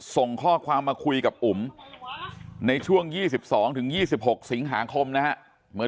ส่งข้อความมาคุยกับอุ๋มในช่วง๒๒๒๖สิงหาคมนะฮะ